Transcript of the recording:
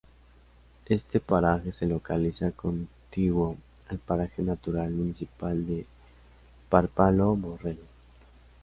Este Paraje se localiza contiguo al Paraje Natural Municipal de Parpalló-Borrell.